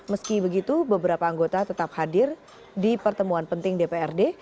meski begitu beberapa anggota tetap hadir di pertemuan penting dprd